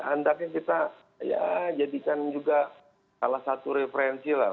hendaknya kita ya jadikan juga salah satu referensi lah